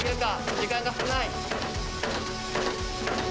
時間が少ない。